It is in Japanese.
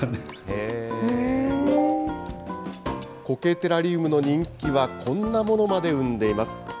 苔テラリウムの人気はこんなものまで生んでいます。